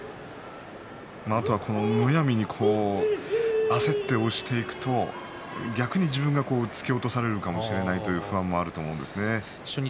あとは、むやみに合わせて押していくと逆に自分は突き落とされるかもしれない不安もあると思うんですが。